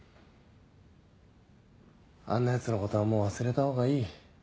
あんなヤツのことはもう忘れたほうがいい。